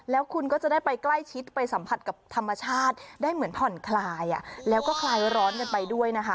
แล้วคุณก็จะได้ไปใกล้ชิดไปสัมผัสกับธรรมชาติได้เหมือนผ่อนคลายแล้วก็คลายร้อนกันไปด้วยนะคะ